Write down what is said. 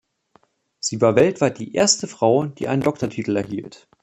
Sie war weltweit die erste Frau, die einen Doktortitel erhielt.